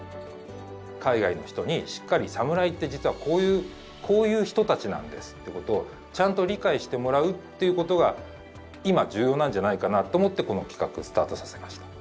海外の人にしっかり「サムライって実はこういう人たちなんです」ってことをちゃんと理解してもらうっていうことが今重要なんじゃないかなと思ってこの企画スタートさせました。